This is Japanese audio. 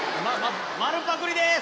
丸パクりです！